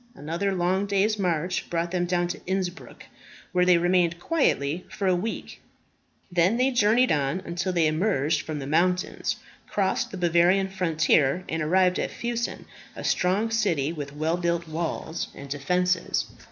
Another long day's march brought them down to Innsbruck, where they remained quietly for a week. Then they journeyed on until they emerged from the mountains, crossed the Bavarian frontier, and arrived at Fussen, a strong city, with well built walls and defences.